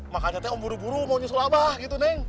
makanya saya mau buru buru mau nyusul abah gitu neng